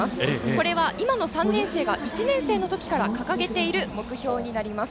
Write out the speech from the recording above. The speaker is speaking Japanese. これは、今の３年生が１年生の時から掲げている目標になります。